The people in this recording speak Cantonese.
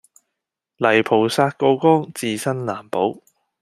泥菩薩過江自身難保